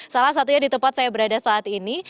salah satunya di tempat saya berada saat ini